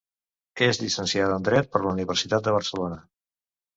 És llicenciada en dret per la Universitat de Barcelona.